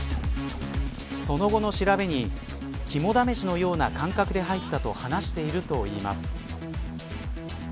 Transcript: その後の調べに肝試しのような感覚で入ったと話しているといいます。